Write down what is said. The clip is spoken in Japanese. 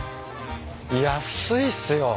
安いっすよ。